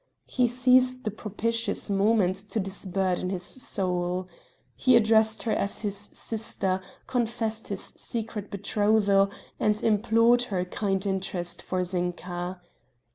He seized the propitious moment to disburden his soul. He addressed her as his sister, confessed his secret betrothal, and implored her kind interest for Zinka.